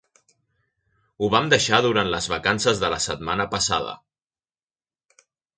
Ho vam deixar durant les vacances de la setmana passada